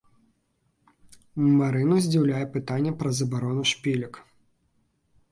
Марыну здзіўляе пытанне пра забарону шпілек.